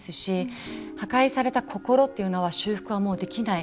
破壊された心というのはもう修復はできない。